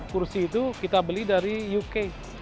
kursi itu kita beli dari uk